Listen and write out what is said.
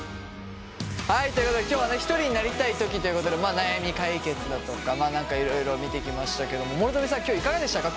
はいということで今日はひとりになりたいときということで悩み解決だとかいろいろを見てきましたけど諸富さん今日はいかがでしたか。